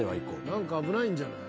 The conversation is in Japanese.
何か危ないんじゃない？